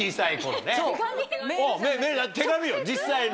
手紙よ実際の。